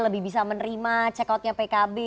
lebih bisa menerima cekotnya pkb